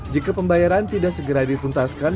jika pembayaran tidak segera dituntaskan